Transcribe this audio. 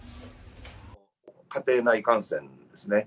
家庭内感染ですね。